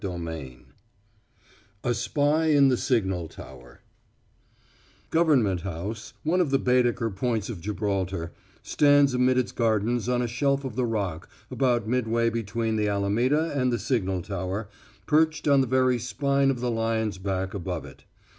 CHAPTER XI A SPY IN THE SIGNAL TOWER Government House, one of the Baedeker points of Gibraltar, stands amid its gardens on a shelf of the Rock about mid way between the Alameda and the signal tower, perched on the very spine of the lion's back above it.